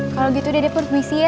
kalo gitu dedek permisi ya